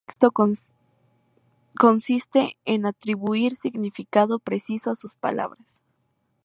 Interpretar un texto consiste en atribuir significado preciso a sus palabras.